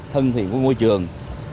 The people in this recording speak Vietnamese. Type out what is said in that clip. thân thiện của môi trường